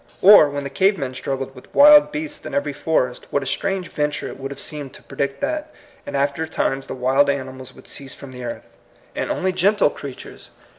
Or, when the cavemen struggled with wild beasts in every forest, what a strange ven ture it would have seemed to predict that in after times the wild animals would cease from the earth, and only gentle creatures, 6 THE COMING PEOPLE.